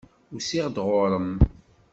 Usiɣ-d ɣur-m.